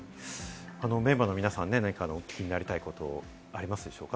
メンバーの皆さんは何かお聞きになりたいことありますでしょうか？